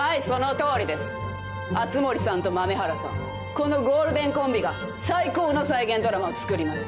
このゴールデンコンビが最高の再現ドラマを作ります。